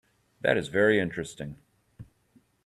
That is very interesting.